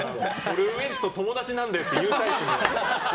俺、ウエンツって友達なんだよって言うタイプ。